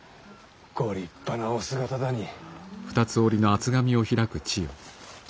ご立派なお姿だにぃ。